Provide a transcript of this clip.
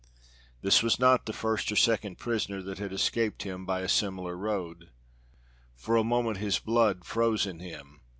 This was not the first or second prisoner that had escaped him by a similar road. For a moment his blood froze in him.